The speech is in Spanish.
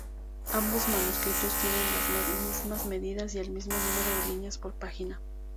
Ambos manuscritos tiene las mismas medidas, y el mismo número de líneas por página.